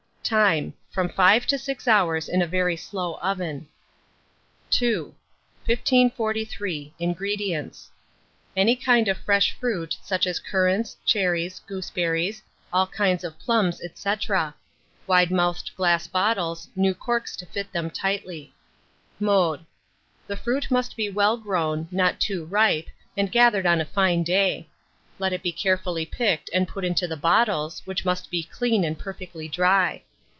Time. From 5 to 6 hours in a very slow oven. II. 1543. INGREDIENTS. Any kind of fresh fruit, such as currants, cherries, gooseberries, all kinds of plums, &c. wide mouthed glass bottles, new corks to fit them tightly. Mode. The fruit must be full grown, not too ripe, and gathered on a fine day. Let it be carefully picked and put into the bottles, which must be clean and perfectly dry.